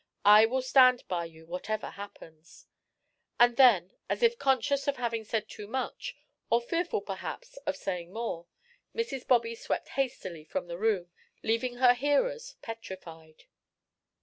I will stand by you whatever happens." And then, as if conscious of having said too much, or fearful perhaps of saying more, Mrs. Bobby swept hastily from the room, leaving her hearers petrified.